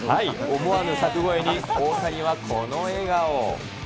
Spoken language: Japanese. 思わぬ柵越えに、大谷はこの笑顔。